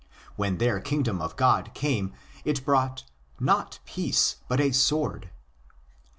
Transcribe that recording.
When their kingdom of God came, it brought " not peace, but a sword."